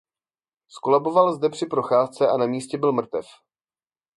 Zkolaboval zde při procházce a na místě byl mrtev.